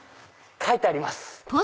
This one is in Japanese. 書いてあります。